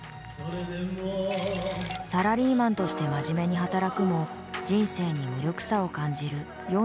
サラリーマンとして真面目に働くも人生に無力さを感じる４４歳の男性。